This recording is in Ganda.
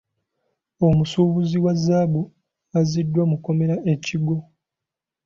Omusuubuzi wa zzaabu azziddwa mu kkomera e Kigo.